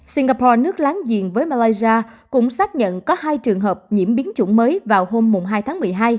singapore nước láng giềng với malaysia cũng xác nhận có hai trường hợp nhiễm biến chủng mới vào hôm hai tháng một mươi hai